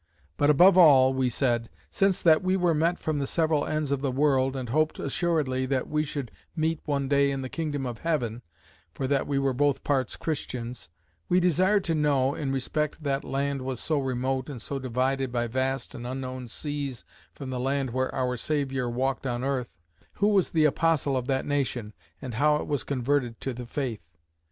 But above all," (we said,) "since that we were met from the several ends of the world, and hoped assuredly that we should meet one day in the kingdom of Heaven, (for that we were both parts Christians,) we desired to know, (in respect that land was so remote, and so divided by vast and unknown seas, from the land where our Saviour walked on earth,) who was the apostle of that nation, and how it was converted to the faith?"